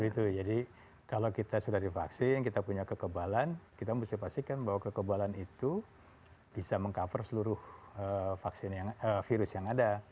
itu jadi kalau kita sudah divaksin kita punya kekebalan kita mesti pastikan bahwa kekebalan itu bisa meng cover seluruh virus yang ada